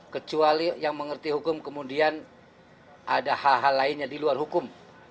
kecuali yang mengerti hukum kemudian ada hal hal lainnya di luar hukum